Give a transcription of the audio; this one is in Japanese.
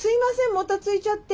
もたついちゃって。